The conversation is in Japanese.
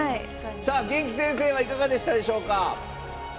元気先生はいかがでしたでしょうか？